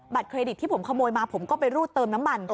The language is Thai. เครดิตที่ผมขโมยมาผมก็ไปรูดเติมน้ำมัน